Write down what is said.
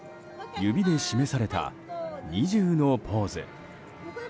指で示された２０のポーズ。